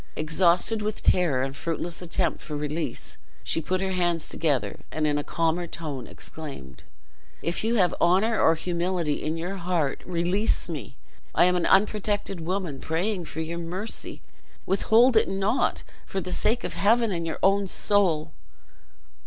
Exhausted with terror and fruitless attempt for release, she put her hands together, and in a calmer tone exclaimed: "If you have honor or humanity in your heart, release me! I am an unprotected woman, praying for your mercy; withhold it not, for the sake of Heaven and your own soul."